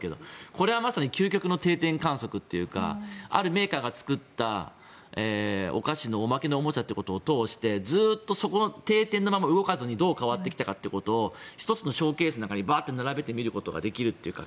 これはまさに究極の定点観測というかあるメーカーが作ったお菓子のおまけのおもちゃってことを通してずっとそこに定点のまま動かずにどう変わってきたかということを１つのショーケースの中にバーッと並べて見ることができるというか